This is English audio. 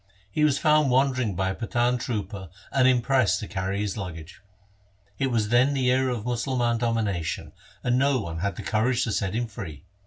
He was found wandering by a Pathan trooper and impressed to carry his luggage. It was then the era of Musal man domination, and no one had the courage to set him free.